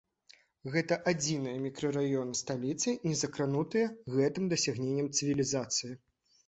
Гэта адзіныя мікрараёны сталіцы, не закранутыя гэтым дасягненнем цывілізацыі.